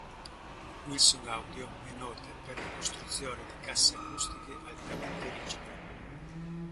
Wilson Audio è nota per la costruzione di casse acustiche altamente rigide.